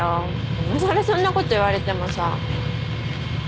いまさらそんなこと言われてもさ。